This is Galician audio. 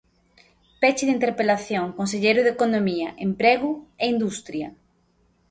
Peche da interpelación, conselleiro de Economía, Emprego e Industria.